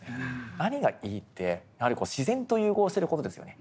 何がいいってやはり自然と融合してる事ですよね。